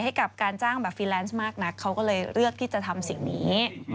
ให้กับการจ้างแบบฟรีแลนซ์มากนักเขาก็เลยเลือกที่จะทำสิ่งนี้